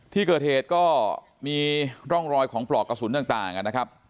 ที่เกอร์เทศก็มีร่องรอยของปลอกกระสุนต่างต่างนะครับ